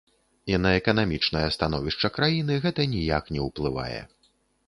І на эканамічнае становішча краіны гэта ніяк не ўплывае.